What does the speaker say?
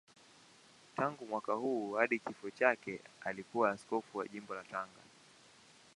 Tangu mwaka huo hadi kifo chake alikuwa askofu wa Jimbo la Tanga.